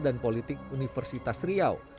dan politik universitas riau